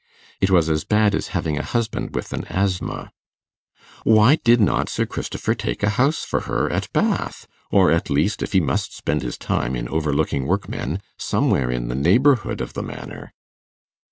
It was as bad as having a husband with an asthma. Why did not Sir Christopher take a house for her at Bath, or, at least, if he must spend his time in overlooking workmen, somewhere in the neighbourhood of the Manor?